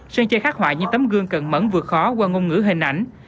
sơn chơi khát hoại như tấm gương cần mẫn vừa khó qua ngôn ngữ hình ảnh